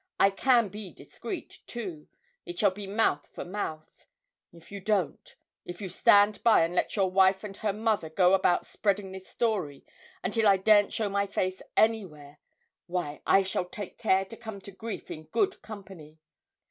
I can be discreet too it shall be mouth for mouth. If you don't if you stand by and let your wife and her mother go about spreading this story until I daren't show my face anywhere, why, I shall take care to come to grief in good company!